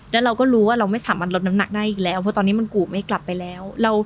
แล้วเราก็รู้ว่าเราไม่สามารถลดน้ำหนักได้อีกแล้วเพราะตอนนี้มันกูไม่กลับไปแล้ว